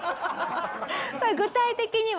これ具体的には？